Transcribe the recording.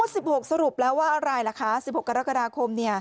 ๑๖สรุปแล้วว่าอะไรล่ะคะ๑๖กรกฎาคม